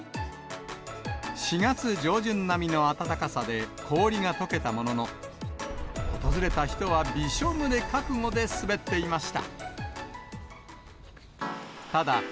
４月上旬並みの暖かさで、氷がとけたものの、訪れた人はびしょぬれ覚悟で滑っていました。